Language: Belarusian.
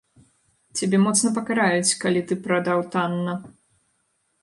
Цябе моцна пакараюць, калі ты прадаў танна.